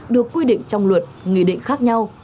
được quy định trong luật nghị định khác nhau